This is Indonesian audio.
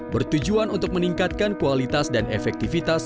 bertujuan untuk meningkatkan kualitas dan efektivitas